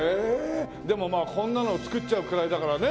でもまあこんなの造っちゃうくらいだからね。